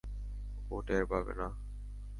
ও টের পাবে না।